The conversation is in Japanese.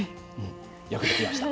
よくできました。